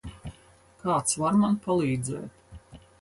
Kāds var man palīdzēt?